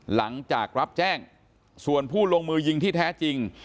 หลังจากรับแจ้งส่วนผู้ลงมือยิงที่แท้จริง